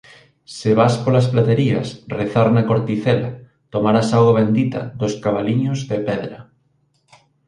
Se vas polas Platerías rezar na Corticela, tomarás auga bendita dos cabaliños de pedra.